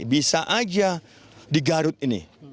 bisa aja digarut ini